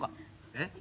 えっ？